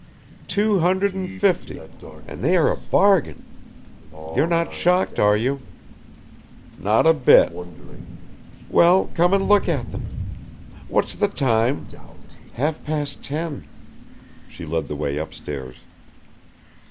"Two hundred and fifty and they are a bargain. You're not shocked, are you?" "Not a bit." "Well, come and look at them what's the time? Half past ten." She led the way upstairs.